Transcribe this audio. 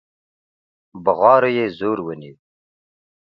بغارو يې زور ونيو.